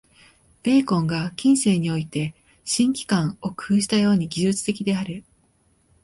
ベーコンが近世において「新機関」を工夫したように、技術的である。